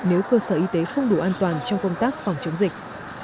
nếu cơ sở y tế không đủ an toàn trong công tác phòng chống dịch